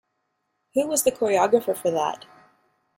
Who was the choreographer for that?